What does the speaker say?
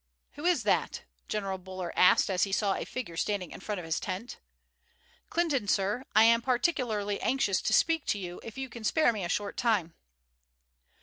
"Who is that?" General Buller asked as he saw a figure standing in front of his tent. "Clinton, sir. I am particularly anxious to speak to you if you can spare me a short time."